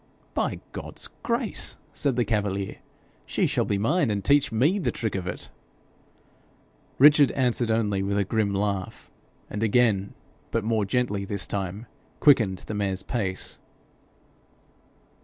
'By God's grace,' said the cavalier, 'she shall be mine, and teach me the trick of it.' Richard answered only with a grim laugh, and again, but more gently this time, quickened the mare's pace.